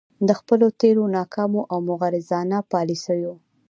د خپلو تیرو ناکامو او مغرضانه يالیسیو